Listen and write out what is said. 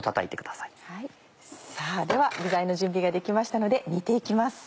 さぁでは具材の準備ができましたので煮て行きます。